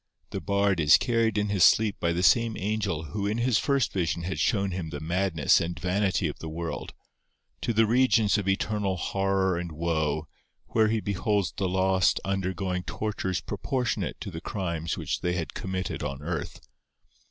The Bard is carried in his sleep by the same angel who in his first vision had shown him the madness and vanity of the world, to the regions of eternal horror and woe, where he beholds the lost undergoing tortures proportionate to the crimes which they had committed on earth.